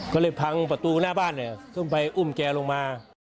ก็เลยพังประตูหน้าบ้านขึ้นไปอุ้มแกลงมา